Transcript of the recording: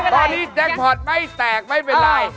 ตอนนี้แจ็คพอร์ตไม่แตกไม่เป็นไร